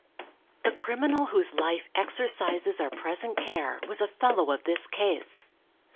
The criminal whose life exercises our present care was a fellow of this case.